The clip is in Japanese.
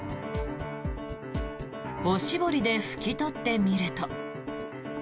おしぼりで拭き取ってみると。